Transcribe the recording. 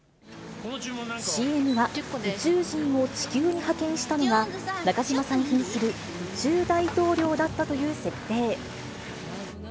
ＣＭは、宇宙人を地球に派遣したのは、中島さんふんする宇宙大統領だったという設定。